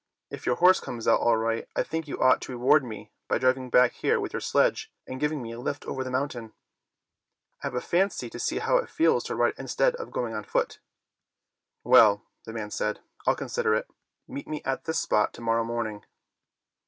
If your horse comes out all right I think you ought to reward me by driving back here with your sledge and giv ing me a lift over the mountain. I have a fancy to see how it feels to ride instead of going on foot." "Well," the man said, "I'll consider it. Meet me at this spot to morrow morning."